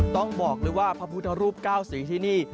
ต้องบอกเลยว่าพระพุทธรูป๙สีที่นี่